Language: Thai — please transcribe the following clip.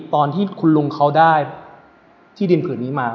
ตอนที่คุณลุงเขาได้ที่ดินผืนนี้มา